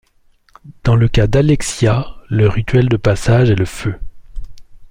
Dans le cas d'Alexia, le rituel de passage est le feu.